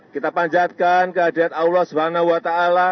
kita panjatkan kehadiran allah swt